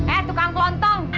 eh tukang kelontong